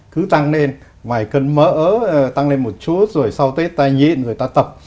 cứ tăng lên vài cân mỡ tăng lên một chút rồi sau tết ta nhịn người ta tập